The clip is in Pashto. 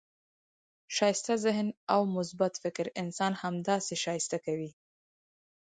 ښایسته ذهن او مثبت فکر انسان همداسي ښایسته کوي.